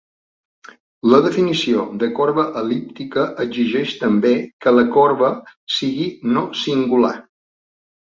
La definició de corba el·líptica exigeix també que la corba sigui no singular.